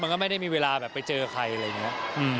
ไม่ได้มีเวลาแบบไปเจอใครอะไรอย่างนี้